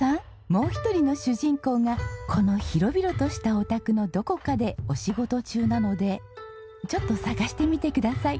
もう一人の主人公がこの広々としたお宅のどこかでお仕事中なのでちょっと探してみてください。